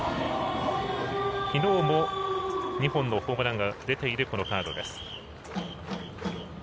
きのうも２本のホームランが出ているこのカードです。